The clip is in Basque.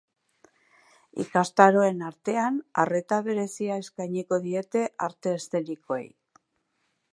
Ikastaroen artean, arreta berezia eskainiko diete arte eszenikoei.